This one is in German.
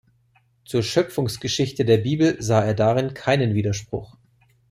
Zur Schöpfungsgeschichte der Bibel sah er darin keinen Widerspruch.